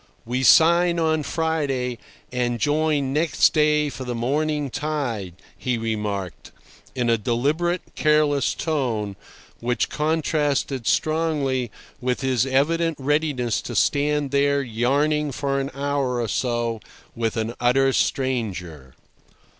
"We sign on Friday, and join next day for the morning tide," he remarked, in a deliberate, careless tone, which contrasted strongly with his evident readiness to stand there yarning for an hour or so with an utter stranger.